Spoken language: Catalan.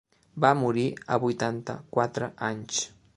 Va morir a vuitanta-quatre anys.